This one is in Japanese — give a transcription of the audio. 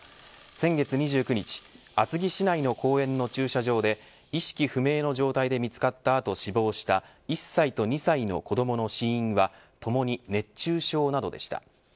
先月２９日厚木市内の公園の駐車場で意識不明の状態で見つかった後死亡した１歳と２歳の子どもの死因はともに熱中症などでした。